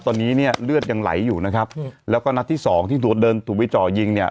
ตอนนี้เนี่ยเลือดยังไหลอยู่นะครับแล้วก็นัดที่สองที่เดินถูกไปเจาะยิงเนี่ย